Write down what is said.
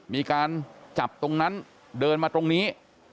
มีการจับตรงนั้นเดินมาตรงนี้